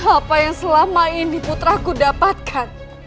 apa yang selama ini putra ku dapatkan